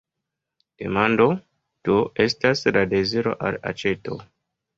Demando, do, estas la deziro al aĉeto.